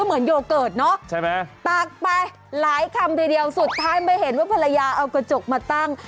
เหมือนโยเกิร์ตเนอะใช่ไหมตักไปหลายคำทีเดียวสุดท้ายมาเห็นว่าภรรยาเอากระจกมาตั้ง